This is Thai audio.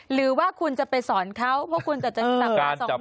หรือว่าคุณจะไปสอนเขาเพราะคุณจะจับเราสองคน